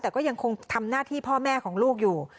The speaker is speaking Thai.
แต่ก็ยังคงทำหน้าที่พ่อแม่ของลูกอยู่